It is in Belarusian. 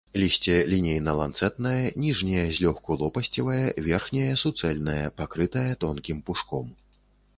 Лісце лінейна-ланцэтнае, ніжняе злёгку лопасцевае, верхняе суцэльнае, пакрытае тонкім пушком.